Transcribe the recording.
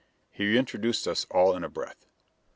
He introduced us all in a breath.